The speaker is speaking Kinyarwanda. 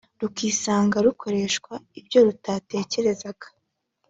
rukisanga rukoreshwa ibyo rutatekerezaga